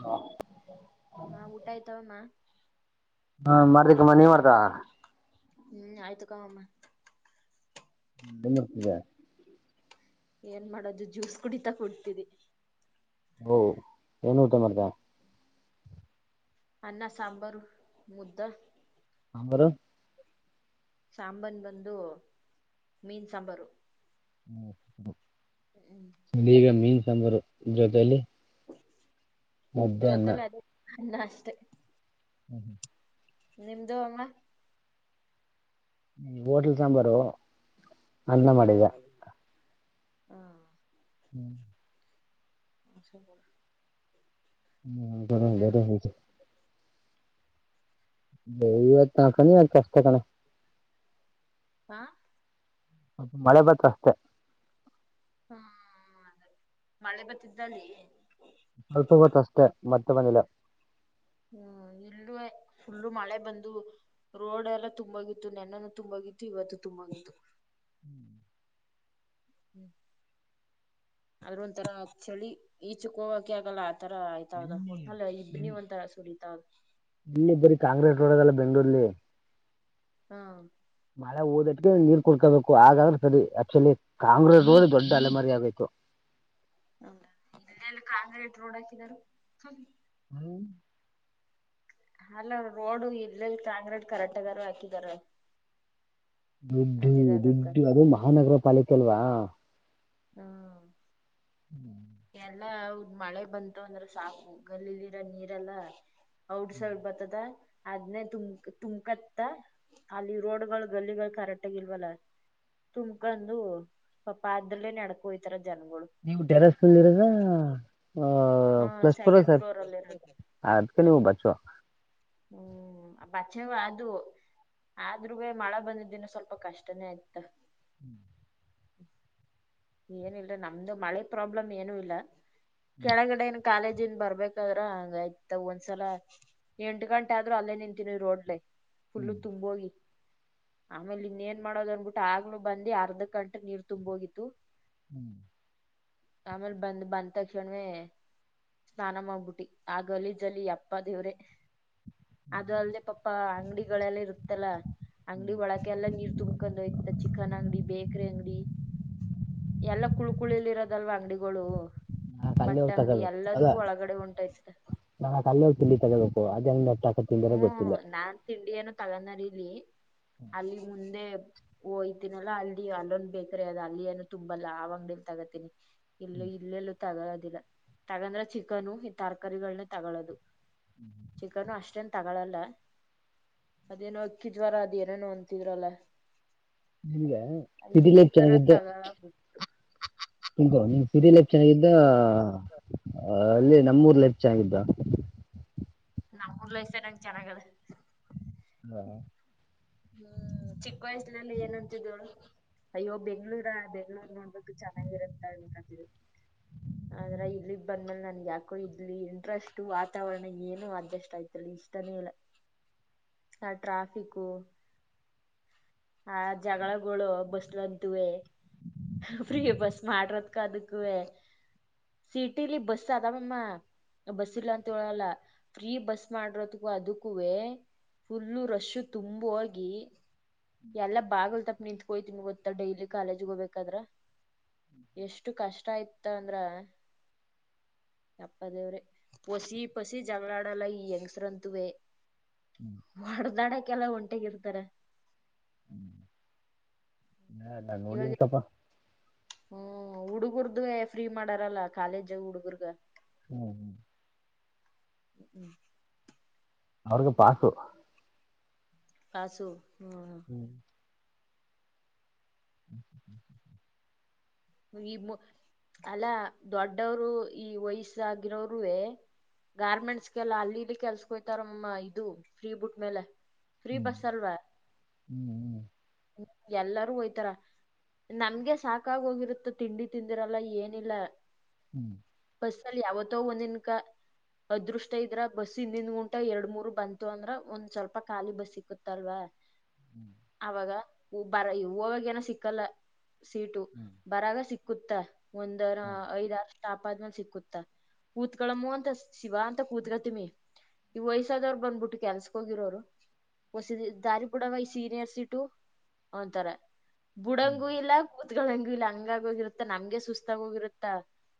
ಹಾ ಹಾ ಊಟ ಆ್ತವೆಮ್ಮ ಹಾ ಮಾಡ್ದಕ್ಕಮ್ಮ ನೀವ್ ಮಾಡ್ತಾ ಹ್ಮ್ ಆಯ್ತು ಕಮ್ಮ ಏನ್ ಮಾಡ್ತಿದ್ದೆ ಏನ್ ಮಾಡೋದು ಜ್ಯೂಸ್ ಕುಡಿತ ಕುಂತಿದಿನಿ ಓ ಏನ್ ಊಟ ಮಾಡರ್ದ ಅನ್ನ ಸಾಂಬಾರು ಮುದ್ದ ಅವರು ಸಾಂಬನ್ ಬಂದು ಮೀನ್ ಸಾಂಬಾರು ಹ್ಮ್ ಹ್ಮ್್ಮ್ ಇ ಈಗ ಮೀನ್ ಸಾಂಬಾರು ಜೊತಲಿ ಜೊತೆಲ್ಲ ಅದೇ ಅನ್ನ ಅಷ್ಟೆ ಹ್ಮ ಹ್ಮ್ ನಿಮ್ದು ಹಂಗ ಹೋಟಲ್ ಸಾಂಬಾರು ಅನ್ನ ಹ್ಮ್ ಮಾಡಿದೆ ಹ್ಮ ಹ್ಞೂ ಆ ಸ ಬ ಹ್ಮಲ್ಲ ಬವಕಣ ಕಷ್ಟ ಕಣ ಹಾ ಅಪ ಮಳೆ ಬಂತ ಅಷ್ಟೇ ಹ್ಮ್ ಅದೇ ಮಳೆ ಬತಿದ್ದಲ್ಲಿ ಅಪ ಹೊತ್ತು ಅಷ್ಟೆ ಮತ್ತೆ ಬಂದಿಲ್ಲ ಹ್ಮ ಎಲ್ಲ ಫುಲ್ಲು ಮಳೆ ಬಂದು ರೋಡ್ ಎಲ್ಲಾ ತುಂಬಾಗಿತ್ತು ನೆನ್ನನು ತುಂಬಾಗಿತ್ತು ಇವತ್ತು ತುಂಬಾಗಿತ್ತು ಹ್ಮ್ ಹ್ಮ್ ಆದ್ರ ಒಂಂತರ ಚಳಿ ಈಚಕ್ ಹೋಗಕೆ ಆಗಲ್ಲ ಆತರ ಎಲ್ಲಿ ಒಟ್ನ ಇಬ್ನಿ ಎಲ್ಲಿ ಒಂಂತರ ಸುರಿತದ ಇಲ್ಲಿ ಬರೀ ಕಾಂಗ್ರೆಸ್ ೋಡೋದಲ್ಲ ಬೆಂಗಗಳೂರ್ಲ್ಲಿ ಹಾ ಮಳೆ ಓದಟ್ಟಕ ನೀರ್ ಕುಡ್ಕೋಬೇಕು ಹಾಗಾದ್ರೆ ಸರಿ ಆಕ್ಚುಲಿ ಕಾಂಗ್ರೆಸ್ ಹೋಗಿ ದೊಡ್ಡ ಅಲೆಮಾರಿ ಆಗೋಯ್ತು. ಹೌದ ಎನ್ ಕಾಂಕ್ರೀಟ್ ರೋಡ್ ಹಾಕಿದಾರ. ಹ್ಮ್ ಅಲ್ಲ ರೋಡ್ ಇಲ್ಲಲ್ಲಿ ಕಾಂಕ್ರೀಟ್ ಕರೆಕ್ಟ್ಗಾರು ಹಾಕಿದಾರ. ದುಡ್ಡು ಅದಿದಾಗಕ್ಕ ದುಡ್ಡು ಅದು ಮಹಾನಗರ ಪಾಲಿಕೆ ಅಲ್ವಾ. ಹಾ ಹ್ಮ್ ಎಲ್ಲ ಅವರದ ಮಳೆ ಬಂತು ಅಂದ್ರೆ ಸಾಕು ಗಲ್ಲಿಲಿರೋ ನೀರೆಲ್ಲಾ ಔಟ್ ಸೈಡ್ ಬ ದ ಅದ್ನೇ ತುಮ ತುಮಕತ್ತ ಅಲ್ಲಿ ರೋಡ್ ಗಳು ಗಲ್ಲಿಗಳು ಕರೆಕ್ಟ್ ಆಗ ಇಲ್ವಲ್ಲ. ತುಂಬಕೊಂಡು ಸ್ವಪಾದರಲ್ಲೇ ನಡ್ಕೊಯ್ತಾರ ಜನಗಳು ನೀವು ಟೆರಸ್ನಲ್ಲಿ ಇರದ ಹ ಸೆಕೆಂಡ್ ಫ್ಲೋರ್ ಅಲ್ಲಿ ಇರದ ಅದ್ಕ ನೀವು ಬಚುವ ಹ್ಮ್ ಬಚ್ಚವ ಅದವ ಆದ್ರೂವೆ ಮಳೆ ಬಂದದ್ದಿನ ಸ್ವಲ್ಪ ಕಷ್ಟನೇ ಇತ್ತ್ ಹ್ಞ ಏನ ಇಲ್ರೀ ನಮ್ದು ಮಳೆ ಪ್ರಾಬ್ಲಮ್ ಏನು ಇಲ್ಲ ಕೆಳಗಡೆ ಕಾಲೇಜನ್ ಇಂದ ಬರ್ಬೇಕಾದ್ರ ಹಂಗ ಆಯ್ತ ಒಂದ್ಸಲ ಎಂಟು ಗಂಟೆ ಆದ್ರೂ ಅಲ್ಲೇ ನಿಂತೀನಿ ರೋಡ್ಲೆ ಫುಲ್ಲು ತುಂಬೋಗಿ ಆಮೇಲೆ ಇನ್ನ ಏನ್ ಮಾಡೋದನ್ಬಿಟ್ಟು ಆಗ್ಲೂ ಬಂದಿ ಅರ್ಧ ಗಂಟೆ ನೀರ್ ತುಂಬ ಹೋಗಿತ್ತು. ಹ್ಮ್ ಆಮೇಲೆ ಬಂದ್ ಬಂದ ತಕ್ಷಣವೇ ಸ್ನಾನ ಮಾಡ್ಬಿಟ್ಟಿ ಆ ಗಲಿಜಲಿ ಯಪ್ಪ ದೇವ್ರೆ ಅದು ಅಲ್ದೆ ಪಾಪಾ ಅಂಗಡಿಗಳೆಲ್ಲ ಇರುತ್ತಲ್ಲ. ಅಂಗಡಿ ಒಳಕೆಲ್ಲ ನೀರ್ ತುಂಬ್ಕೊಂಡ್ ಹೋಯ್ತ ಚಿಕನ್ ಅಂಗಡಿ ಬೇಕ್ರಿ ಅಂಗಡಿ ಎಲ್ಲ ಕುಳ್ ಕುಳಿಲಿ ಇರೋದಲ್ವಾ ಅಂಗಡಿಗಳು ನಾ ಅಲ್ಲಿ ಬಟ್ಟ ಹೋಗಿ ಅಂಗಡಿ ಎಲ್ಲದಕ್ಕೂ ಒಳಗಡೆ ಉಂಟಾಯ್ತ ನಾ ಕಲ್ಲ ಹೋಗತಿ ತೊಗಬೇಕು ಅದ ಹ್ಮ ನಾರ್ತ್ ಇಂಡಿಯನ ತಗೊಂಡಾರ ಇಲ್ಲಿ ಅಲ್ಲಿ ಮುಂದೆ ಓಯ್ತೀನಲ್ಲಾ ಅಲ್ಲಿ ಅಲ್ಲೊಂದು ಬೇಕ್ರೆ ಅದ ಅಲ್ಲಿ ಏನು ತುಂಬಲಾ ಆವ್ ಅಂಗಡಿಲಿ ತಗೋತೀನಿ ಇಲ್ಲ ಇಲ್ಲೆಲ್ಲೂ ತಗಳದಿಲ್ಲ ತಗಂದ್ರೆ ಚಿಕನು ತರಕಾರಿಗಳನ್ನ ತಗಳ್ಳೋದು ಹ್ಮ್ ಚಿಕನು ಅಷ್ಟೆನ ತಗಳಲ್ಲ ಅದೇನೋ ಅಕ್ಕಿ ಜ್ವರ ಅದೇ ಏನೇನು ಅಂತಿದ್ರಲ್ಲ ಹಿಂಗ [unintelligible] ಚೆನ್ನಾಗಿದ್ದ ಹಾ ಹ ಹಗೋ ನೀವು [unintelligible] ಅಲ್ಲಿ ನಮ್ಮೂರ್ ಲಕ್ಷ್ಯಚ ಇದ್ದ ನಮ್ಮ್ ರ್ಲ್ಸ ನಂಗ ಚನಾಗದ ಹಾ ಹ್ಮ್ ಚಿಕ್ಕ ವಯಸ್ಸಿನಲ್ಲಿ ಏನಂತಿದ್ದ ಹೇಳು ಅಯ್ಯೋ ಬೆಂಗಳೂರು ಬೆಂಗಳೂರು ನೋಡದಕ್ ಚೆನ್ನಾಗಿರುತ್ತ ಅನ್ಕೋತೀವಿ. ಆದ್ರ ಇಲ್ಲಿ ಬಂದ್ಮೇಲೆ ನನ್ಗೆ ಯಾಕೋ ಇದಲಿ ಇಂಟ್ರೆಸ್ಟ್ ವಾತಾವರಣ ಏನು ಅಡ್ಜಸ್ಟ್ ಆಯ್ತಲ್ಲ ಇಷ್ಟಾನೇ ಇಲ್ಲ. ಆ ಟ್ರಾಫಿಕ್ ಹಾ ಜಗಳಗಳು ಬಸ್ಲತುವೆ ಬ್ರೀ ಬಸ್ ಮಾಡರದ ಕ ಅದಕ್ಕ ಸಿಟಿಲಿ ಬಸ್ ಅದಾಮಮ್ಮ ಬಸ್ ಇಲ್ಲ ಅಂತ ಹೇಳಲ್ಲ ಫ್ರೀ ಬಸ್ ಮಾಡರೋದಕ್ಕೂ ಅದಕ್ಕೂೇ ಫುಲ್ಲು ರಶ್ಶು ತುಂಬೋಗಿ ಎಲ್ಲ ಬಾಗಲ್ ತಪ್ಪ ನಿಂತತ್ಕೋ್ತೀನ ಗತ್ತಾ ಡೈಲಿ ಕಾಲಜಗ ಹೋಗಬೇಕು ಗದ್ರ ಎಷ್ಟು ಕಷ್ಟ ಆಯತ ಅಂದ್ರ ಅಪ್ಪ ದೇವ್ರೆ ಪಸಿ ಪಸಿ ಜಗಳಾಡಲ್ಲ ಈ ಹೆಂಗ್ಸ್ರಂತುವೇ ಹೊಡ್ದಾಡಕ ಎಲ್ಲ ಒಂಟೆಗ ಇರ್ತಾರ ಹಾ ನಾನ್ ನೋಡಿಂತಪ್ಪ ಹ್ಮ ಹುಡುಗರ್ದು ಫ್ರೀ ಮಾಡಾರಲ್ಲ ಕಾಲೇಜಾಗ ಹುಡುಗರ್ಗ ಹ್ಮ್ ಹ್ಮ್ ಹ್ಮ್ ಹ್ಮ್ ಅವಡುಿಗೆ ಪಾಸು ಪಾಸು ಹ್ಞ [inaudible] ಹ್ಞ ಹ್ಞ ಈ ಅಲ್ಲಾ ದೊಡ್ಡವರು ಈ ವಯಸ್ಸಾಗಿರೋರುೇ ಗಾರ್ಮೆಂಟ್ಸ್ಗೆಲ್ಲ ಅಲ್ಲಿಿದ್ದ ಕೆಲ್ಸಕೋಯ್ತಾರಮ್ಮ ಇದು ಫ್ರೀ ಬುಟ್ ಮೇಲೆ ಫ್ರೀ ಬಸ್ ಅಲ್ವಾ ಎಲ್ಲಾರೂ ಹೋಯ್ತಾರ ನಮ್ಗೆ ಸಾಕಾಗ ಹೋಗಿರುತ್ತ ಮ ತಿಂಡಿ ತಿಂದಿರಲ್ಲ ಏನಿಲ್ಲ ಹ್ಞ ಬಸ್ಸ ಅಲ್ಲಿ ಯಾವತ್ತೋ ಒಂದಿನ ಕ ಅದೃಷ್ಟ ಇದ್ರ ಬಸ್ ಹಿಂದಿಂದ ಗುಂಟ ಎರಡ್ ಮೂರ್ ಬಂತು ಅಂದ್ರ ಒಂದ್ ಸ್ವಲ್ಪ ಖಾಲಿ ಬಸ್ ಸಿಕ್ಕತ್ತಲ್ವಾ [inaudible] [inaudible] ಅವಾಗ ಹೂ ಹೋಗವಾಗ ಏನೋ ಸಿಕ್ಕಲ್ಲ ಸೀಟು [inaudible] ಬರಾಗ ಸಿಕ್ಕುತ್ತ ಒಂದರ ಐದಾರ ್ಟಾಪ ಆದ್ಮೇಲೆ ಸಿಕ್ಕುತ್ತ ಕೂತ್ಕಳಮ್ಮ ಅಂತ ಶಿವ ಅಂತ ಕೂತ್ಗ ತಿಮ್ಮಿ ಈ ವಯಸ್ಸಾದವ್ರು ಬಂದ್ಬಿಟ್ಟು ಕೆಲ್ಸಕ್ ಹೋಗಿರೋರು ಹೊಸಿದ ದಾರಿಪುಡವ ಈ ಸೀನಿಯರ್ಸ ಇಟು ಅಂತರ ಬುಡಂಗೂ ಇಲ್ಲ ಕೂತ್ಗಳಂಗೂ ಇಲ್ಲ ಹಂಗಗೋಗಿರತ್ತ ನಮ್ಗೆ ಸುಸ್ತಾಗೋಗಿರತ್ತ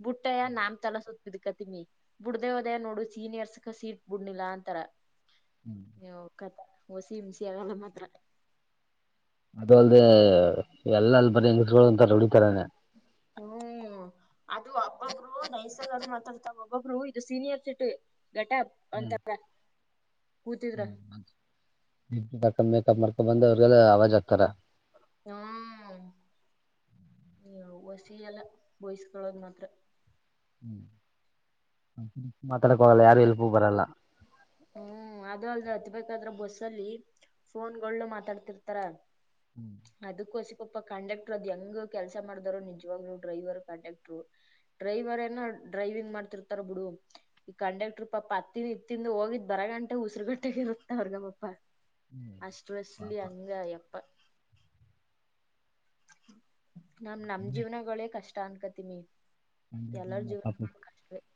ಬುಟ್ಟಯ್ಯ ನಾಮ್ ತಲಸುತ್ತೆ ಇ್ ಕತಿಮಿ ಬಿಡ್ದೇ ಹೋದೇ ನೋಡು ಸೀನಿಯರ್ಸ್ ಸೀಟ್ ಬಿಡ್ನಿಲ್ಲಾ ಅಂತಾರ [inaudible] ನೀ ಕ ಹಸಿ ಹಿಂಸಿ ಆಗಲ್ಲ ಮಾತ್ರ ಅದ ಅಲ್ದೆ ಎಲ್ಲ ಅಲ್ಲಿ ಬರಿ ಹೆಂಗಸ್ ಅಂತ ರಡಿತಾರನೇ ಹ್ಮ್ ಅದು ಹಬ್ಬೊಬ್ರು ನೈಸರ್ ಆದರು ಮಾತಾಡ್ತಾವ ಒಬ್ಬೊಬ್ರು ಇದು ಸೀನಿಯರ್ ಸಿಟಿ ಘಟ ಬಂತಪ್ಪಾ ಹ್ಮ ಮೇಕಪ್ ಮಾಡ್ಕೊ ಬಂದ ಅವ್ರಿಗೆಲ್ಲ ಆವಾಜ್ ಆಗ್ತಾರ ಹಾ ನೀ ವಸಿಿಯಲ್ಲ ಬಯಸ್ಕೊಳ್ಳೋದ್ ಮಾತ್ರ ಹ್ಮ್ ಮಾತಾಡಕೋಗಲ್ಲ ಯಾರು ಅದ ಎಲ್ಪು ಬರಲ್ಲ ಹ್ಮ್ ಅದು ಅಲ್ ಹತ್ಬೇಕಾದ್ರೆ ಬಸ್ಸಲ್ಲಿ ಫೋನ್ ಗಳುು ಮಾತಾಡ್ತಿರ್ತಾರ ಹ್ಞೂ ಅದಕ್ಕೋಸಪಪ್ಪ ಕಂಡಕ್ಟರ್ ಅದ್ ಹೆಂಗ ಕೆಲ್ಸ ಮಾಡ್ದಾರೋ ನಿಜ್ವಾಗ್ರು ಡ್ರೈವರ್ ಕಂಡಕ್ಟ್ರು ಡ್ರೈವರ್ ಏನ ಡ್ರೈವಿಂಗ್ ಮಾಡ್ತಿರ್ತಾರ ಬಿಡು ಈಗ ಕಂಡಕ್ಟರ್ ಪಾಪ ಹತ್ತಿನಿ ಇ ತಿಿಂದ ಹೋಗಿದ್ ಬರ ಗಂಟೆ ಉಸಿರುಗಟ್ಟಗ ಇರುತ್ತೆ ಅವ್ರಗಮ್ಮಾ ಅಷ್ಟ ಬಸ್ಲಿ ಹಂಗಪ್ಪ ನಮ ನಮ್ ಜೀವನಗಳೇ ಕಷ್ಟ ಅನ್ಕತಿ ಮಿ ಸಂಡೆ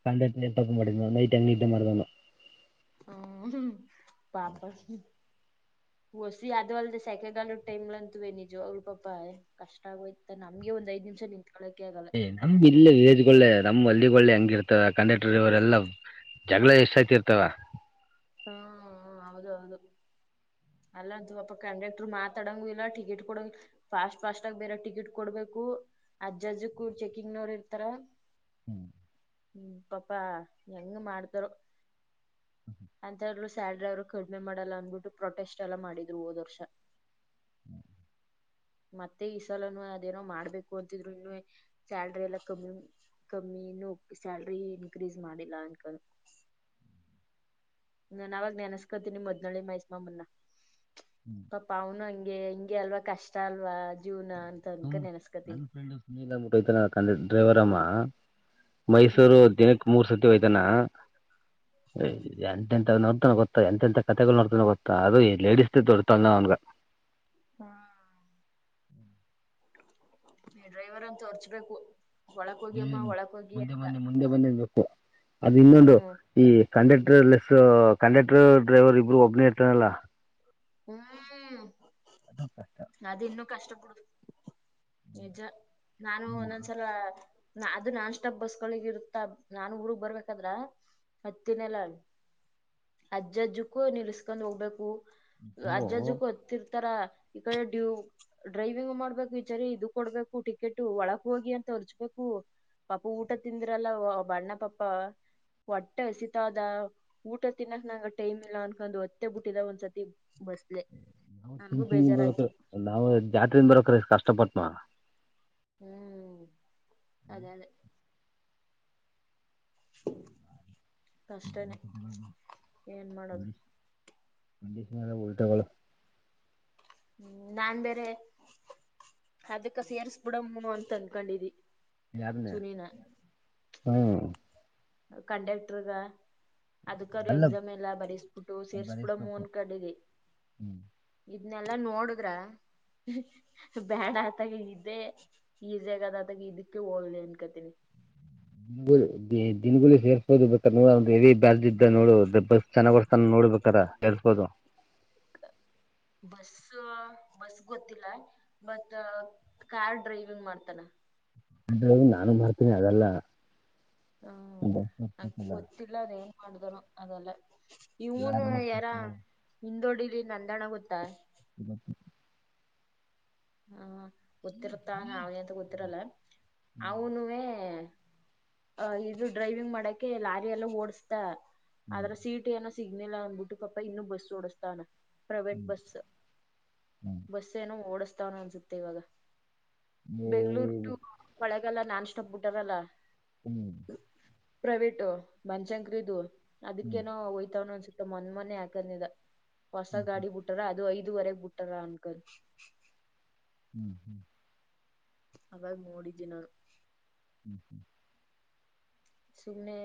ಸಂಡೇ ಎಪ್ಪಪ್ಪ ಮಾಡಡ ನೈಟ್ ಅಂಗ ಮತಣ ಹ್ಮ ಪಾಪ ಹೊಸಿ ಅದು ಅಲ್ದೆ ಸೆಕೆಗಾಲ ಟೈಮ್ ಅಂತುವೇ ನಿಜು ಅವ್ ಪಾಪ ಕಷ್ಟ ಆಗೋಯ್ತ ನಮಗೆ ಒಂದ ಐ್ಮಷ ನಿಂತ ಕ್ಕೆ ಏ್ ನಮ್ ಇಲ್ಲೇ ವಿಲೇಜ್ಗಳೆ ನಮ್ ಅಲ್ಲಿಗೆ ಹೆಂಗಿರ್ತದ ಕಂಡಕ್ಟರ್ ಇವರೆಲ್ಲ ಜಗಳ ಎಷ್ಟಾಯ್ತಿರ್ತವ ಹ್ಮ ಹೌದ ಹೌದು ಅಲ್ಲಂತ ಪಪ ಕಂಡಕ್ಟರ್ ಮಾತಾಡಂಗ ಇಲ್ಲ ಟಿಕೆಟ್ ಕೊಡಂಗ ಫಾಸ್ಟ್ ಫಾಸ್ಟ್ ಆಗ ಬೇರೆ ಟಿಕೆಟ್ ಕೊಡ್ಬೇಕು ಅಜ್ಜ ಅಜ್ಜ ಕೂ ಚೆಕಿಂಗ್ ನೋಡ್ ಇರ್ತಾರ ಹ್ಮ್ ಹ್ಮ್ ಪಾಪಾ ಹೆಂಗ ಮಾಡ್ತಾರ ಅಂತ್ೂ ಸ್ಯಾ ಡ್ರೈವರ್ ಕಡಿಮೆ ಮಾಡಲ್ಲ ಅಂದ್ಬಿಟ್ಟು ಪ್ರೊಟೆಸ್ಟ್ ಎಲ್ಲ ಮಾಡಿದ್ರು ಹೋದ ವರ್ಷ ಮತ್ತೆ ಈ ಸಲನು ಅದೇನೋ ಮಾಡ್ಬೇಕು ಅಂತಿದ್ರು ಇನ್ನು ಸ್ಯಾಲ್ರಿ ಎಲ್ಲಾ ಕಮ್ಮಿ ಕಮ್ಮಿ ಸ್ಯಾಲ್ರಿ ಇನ್ಕ್ರೀಸ್ ಮಾಡಿಲ್ಲ ಅನ್ಕ ನನ್ ಅವಾಗ್ಾನಸ್ಕತಿ ನಿಮ್ಮ ಮದ್ನಿಲ್ಲಿ ಮಹಸ್ಮಮ್ಮನ್ನ ಪಪ ಅವನು ಹಂಗೆ ಹಿಂಗೆ ಅಲ್ವಾ ಕಷ್ಟ ಅಲ್ವಾ ಜೀವನ ಅಂತ ಅನ್ಕ ನೆನಸ್ಕತಿ ಸುನೀಲ್ಟ್ಟತ ಡ್ರೈವರ್ ಅಮ್ಮ ಮೈಸೂರು ಹ್ಮ್ ದಿನಕ್ಕೆ ಮೂರ್ ಸತಿ ಯ್ತಾನ ಹ್ಮ್ ಎಂತ ಎಂತ ನೋಡ್ತಾನ ಗೊ ಎಂತ ಕಥತೆಗಳು ನೋಡ್ತನ ಗತ್ತಾ ಅದು ಈ ಲೇೀ ದೊಡ್ತಾಳ ನ ಅವನ್ಗ ಹಾ ಡ್ರೈವರ್ ಅಂತ ಅರ್ಚ್ಬೇಕು ಹ್ಮ್ ಒಂದ ಬಿ ಮುಂದೆ ಬನ್ನಿ ಬೇಕು ಅದು ಇನ್ನೊಂದು ಹ್ಮ್ ಈ ಕಂಡಕ್ಟರ್ ಲೆಸ್ ಕಂಡಕ್ಟರ್ ಡ್ರೈವರ್ ಇಬ್ರು ಒಬ್ನೇ ಇರ್ತಾರಲ್ಲಾ ಹ್ಮ್ ಅದು ಇನ್ನುೂ ಕಷ್ಟಪಡುದು ನಿಜ ನಾನು ಹ್ಮ್. ಒಂದೊಂದ್ಸಲ ಅದು ನಾನ್ ಸ್ಟಾಪ್ ಬಸ್ಗಳಗ ಇರುತ್ತ ನಾನ್ ಊರ್ಗ್ ಬರ್ಬೇಕಾದ್ರ ಮತ್ತಿನೆಲ್ಲ ಅ ಅಜ್ಜ ಅಜ್ಜಕ್ಕೂ ನೀವಸ್್ಕೊಂಡ್ ಹೋಗ್ಬೇಕು ನಾವು ಅಜ್ಜ ಅಜ್ಜಕ್ಕೂ ಹೊತ್ತರ್ತಾರ ಈ ಕಡೆ ಡ್ಯೂ ಡ್ರೈವಿಂಗ್ ಮಾಡ್ಬೇಕು ವಿಚಾರಿ ಇದು ಕೊಡ್ಬೇಕು ಟಿಕೆಟ್ು ಒಳಕ್ ಹೋಗಿ ಅಂತ ಹೊರ್ಚ್ಬೇಕು ಪಾಪ ಊಟ ತಿಂದಿ್ರಲ್ಲ ಬಣ್ಣ ಪಾಪ್ಪ ಹೊಟ್ಟೆ ಎಸತದ ಊಟ ತಿನ್ನಕ್ ನಂಗ ಟೈಮ್ ಇಲ್ಲ ಅನ್ಕೊಂಡ್ ಹೊತ್ತೆ ಬಿಟ್ಟಿದ ಒಂದ್ಸತಿ ಬಸಲ ನಾವವು ಚನ್ಚಿಂದ ಬರಕ ನಾವವು ಜಾತ್ಿಂದ ಬರಕ್ರ ಕಷ್ಟಪಟ್್ಮ ಹ್ಮ್ ಅದೇ ಅದೇ ಕಷ್ಟೇನೆ ಏನ್ ಮಾಡದು ಒಂಡೀಷಳ ಹ್ಮ್ ನಾನ್ ಬೇರೆ ಅದಕ್ಕ ಸೇರ್ಸ್ಬಿಡಮ್ಮ ಅಂತ ಅನ್ಕೊಂಡಿದಿ ಯಾರನೆ ಸುನಿನ ಹ್ಮ ಕಂಡಕ್ಟರ್ಗ ಅದಕ್ಕರು ಅಲ್ಲ ಎಕ್ಸಾಮ್ ಎಲ್ಲ ಬರಸ್ಬಿಟ್ಟು ಸೇರ್ಸ್ಬಿಡೋ ಭರಿಸ್ಬೇಕು ಮೂನ್ ಕಡೆದೆ ಹ್ಮ್ ಇದನೆಲ್ಲಾ ನೋಡುದ್ರ ಬ್ಯಾಡ ಆತಾಗ ಇದೇ ಈ ಜಗದಾತಾಗ ಇದಕ್ಕೆ ಹೋಗಲಿ ಅನ್ಕತೀನಿ ದಿನಗಳಗಳು ಸೇರ್ಸೋದು ಬ ನೋಡ ನೋಡು ದಬ್ಬಸ್ ಚೆನ್ನ್ ಬರ್ಸ್ತಾನ ನೋಡ್ಬೇಕಾರ ಹೇಳ್ಸ್ಬೋದು ಬಸ್ ಬಸ್ ಗೊತ್ತಿಲ್ಲ ಮತ್ ಕಾರ್ ಡ್ರೈವಿಂಗ್ ಮಾಡ್ತಾನ ಅ ನಾನು ಮಾಡರ್ತೀನಿ ಅದೆಲ್ಲ ಗಿಲ್ಲ ಅದ ಏನ್ ಮಾಡಿದರು ಅದೆಲ್ಲ ಇವನು ಲಾರಿ ಯಾರ ಓಡಿಸ್ಬೇಕು ಹಿಂದೋಡಿಲಿ ನಂದಣ ಗೊತ್ತಾ ಇ [unintelligible] ಹ ಗೊತ್ತಿರ್ತ ಅವ ಎಂತ ಗೊತ್ತಿರಲ್ಲ ಅವನು ಅ ಇದು ಡ್ರೈವಿಂಗ್ ಮಾಡಕೆ ಲಾರಿ ಎಲ್ಲ ಓಡಸ್ತ ಹ್ಮ್ ಆದದ್ರ ಸೀಟ್ ಏನ ಸಿಗ್ನೆಲ್ ಅಂದ್ಬಿಟ್ಟು ಪಾ ಇನ್ನು ಬಸ್ ಡಿಸಸ್ತಾನ ಪ್ರೈವೇಟ್ ಹ್ಮ್ ಬಸ್ ಹ್ಮ್ ಬಸ್ ಏನೋ ಓಡಸ್ತಾವನ ಅನ್ಸುತ್ತೆ ಇವಾಗ ಬೆಂಗ್ಳೂರ್ ಟು ಏ- ಒಳಗಲ್ಲ ನಾನ್ ಇಷ್ಟಪ್ಪಬ ಬಿಟ್ಟಾರಲ್ಲ ಹ್ಮ್ ಪ್ರೈವೇಟ್ ಮನ್ಸಂಕ್ರೀದು ಹ್ಮ್ ಅದಕ್ಕೇನೋ ಒಯ್ತಾವನ ಅನ್ಸುತ್ತೆ ಮನ್ ಮನೆ ಹಾಕಂದಿದ ಹೊಸ ಗಾಡಿ ಬಿಟ್ಟಾರ ಅದು ಐದುವರೆಗ ಬಿಟ್ಟಾರ ಅನ್ಕೊಂಡ್ ಹ್ಮ್ ಹ್ಮ್ ಅವರು ಮೋಡಿದಿನ ಹ್ಮ್ ಹ ಸುಮ್ನೆ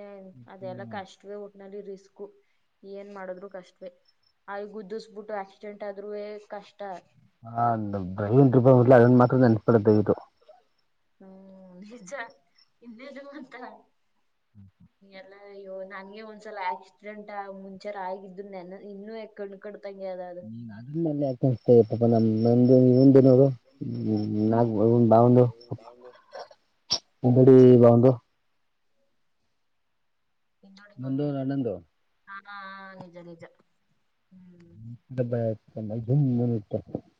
ಅದೆಲ್ಲ ಹ್ಮ್ ಕಷ್ಟವೇ ಒಟ್ನಲ್ಲಿ ರಿಸ್ಕ್ ಏನ್ ಮಾಡದ್ರು ಕಷ್ಟವೇ ಆ ಗುದ್ದಿಸಬಿಟ್ಟು ಆಕ್ಸಿಡೆಂಟ್ ಆದ್ರೂ ಕಷ್ಟ ಹ ದ್ರೈವನ್ಬಿಲ್ಲ ಅದನ್ ಮಾತ್ರ ನೆನ್ಪಿಡ ದವಿದು ಹ್ಮ್ ನಿಜ ಇನ್ನೇನು ಅಂತ ಹ್ಞೂ ಹ್ ಎಲ್ಲ ಅಯ್ಯೋ ನಂಗೆ ಒಂದ್ಸಲ ಹಾಕಿಸಿದ್ರಂಟ ಮುಂಚಾರ ಆಗಿದ್ರ ನೆನ ಇನ್ನುಕಣ ಕಡತಂಗೆ ಅದ ಅದು ಅದನ್ನ ಯಕನ್ತ ಪಾಪಾ ನಮ್ಮ ಇಂದಏನೋರು ಹ್ಮ ನಾಾಗ ಬಾಂಡುಡಿ ಬಾ ಹಿಂದೋಡಿಮ್ಮ ನಂದು ಒಂದು ಅಣ್ಣಂದು ಹಾ ನಿಜ ನಿಜ ಹ್ಮ್ ಮತ [unintelligible]